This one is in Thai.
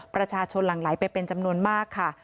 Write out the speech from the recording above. ประชาชนหลังไหลไปเป็นจำนวนมากค่ะ